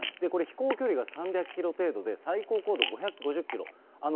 これ、飛行距離が３００キロ程度で、最高高度５５０キロ。